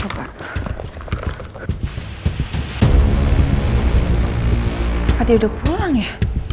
pak dio udah pulang ya